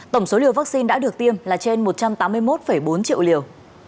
tổng số liều vaccine đã được tiêm là trên một trăm tám mươi một bốn triệu liều